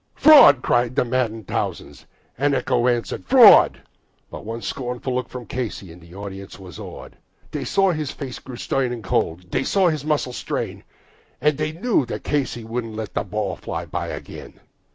"Fraud!" cried the maddened thousands, and echo answered fraud, But one scornful look from Casey and the audience was awed; They saw his face grow stern and cold, they saw his muscles strain, And they knew that Casey wouldn't let that ball go by again.